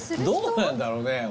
どうなんだろうね？